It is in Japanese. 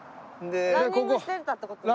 ランニングしてたって事ですか？